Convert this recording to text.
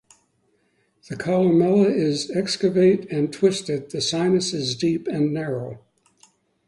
The columella is excavate and twisted The sinus is deep and narrow.